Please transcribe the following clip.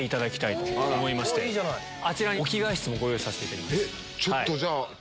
あちらにお着替え室もご用意させていただきました。